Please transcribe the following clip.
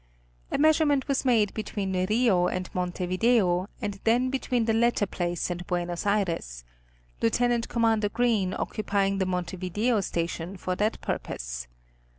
A measurement was made between Rio and Montevideo and then between the latter place and Buenos Ayres, Lieut. Com. Green occupying the Montevideo station for that pur pose.